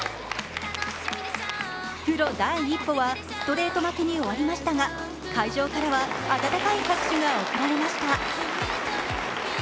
プロ第一歩はストレート負けに終わりましたが会場からは温かい拍手が送られました。